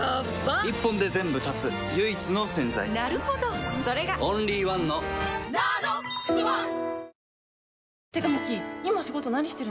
一本で全部断つ唯一の洗剤なるほどそれがオンリーワンの「ＮＡＮＯＸｏｎｅ」